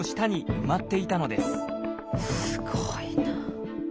すごいな。